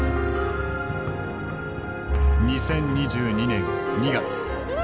２０２２年２月。